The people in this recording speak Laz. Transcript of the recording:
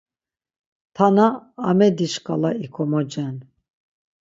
TanaAmedi şǩala ikomocen.